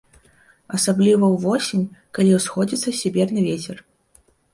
Асабліва ўвосень, калі ўсходзіцца сіберны вецер.